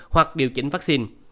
hoặc điều chỉnh vắc xin